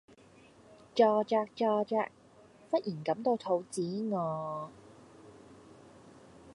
坐著坐著忽然感到肚子餓